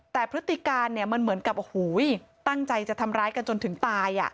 แต่พฤติการเนี่ยมันเหมือนกับโอ้โหตั้งใจจะทำร้ายกันจนถึงตาย